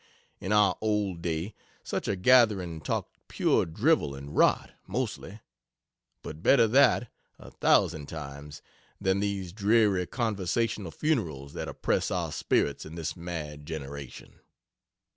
In our old day such a gathering talked pure drivel and "rot," mostly, but better that, a thousand times, than these dreary conversational funerals that oppress our spirits in this mad generation.